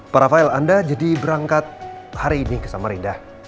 para fire anda jadi berangkat hari ini ke samarinda